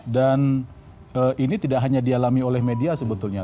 dan ini tidak hanya dialami oleh media sebetulnya